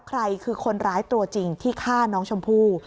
ใครคือคนร้ายตัวจริงที่ฆ่าน้องชมพู่